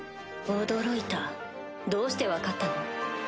驚いたどうして分かったの？